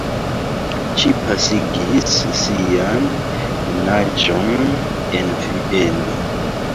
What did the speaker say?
Ŝi pasigis sian junaĝon en Vieno.